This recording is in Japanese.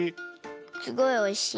すごいおいしい。